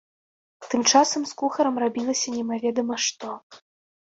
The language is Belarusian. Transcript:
Тым часам з кухарам рабілася немаведама што.